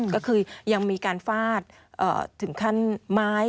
ก็คือยังมีการฟาดถึงขั้นไม้